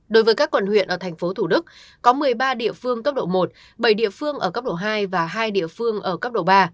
đối với các quần huyện ở tp hcm có một mươi ba địa phương cấp độ một bảy địa phương ở cấp độ hai và hai địa phương ở cấp độ ba